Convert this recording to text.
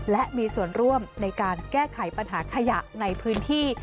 และมีส่วนร่วมในการแก้ไขปัญหาขยะในพื้นที่